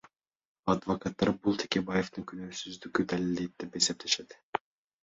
Адвокаттар бул Текебаевдин күнөөсүздүгүн далилдейт деп эсептешет.